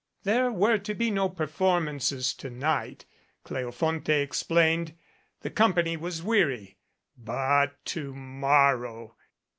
There were to be no per formances to night, Cleofonte explained, the company was weary ; but to morrow